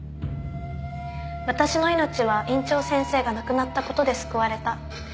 私の命は院長先生が亡くなった事で救われた。